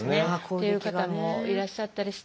っていう方もいらっしゃったりして。